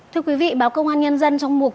thưa quý vị báo công an nhân dân trong mục